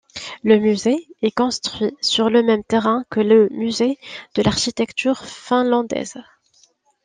Le musée est construit sur le même terrain que le musée de l'architecture finlandaise.